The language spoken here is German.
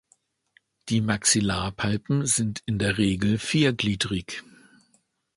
Die Maxillarpalpen sind in der Regel viergliedrig.